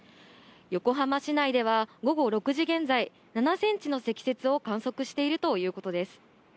横浜市内では午後６時現在、７センチの積雪を観測しているということです。